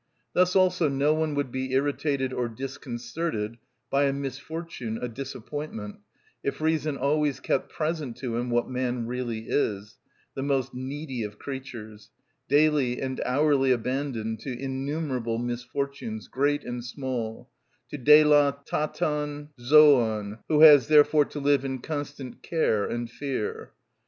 Thus also no one would be irritated or disconcerted by a misfortune, a disappointment, if reason always kept present to him what man really is: the most needy of creatures, daily and hourly abandoned to innumerable misfortunes, great and small, το δειλοτατον ζωον, who has therefore to live in constant care and fear.